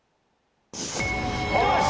よし！